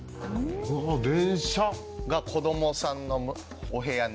電車。が子どもさんのお部屋。